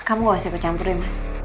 kamu gak usah kecampuri mas